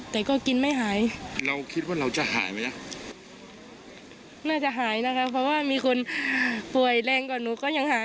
เป็นปวดเจ็บคอและอะไรอย่างนี้ครับ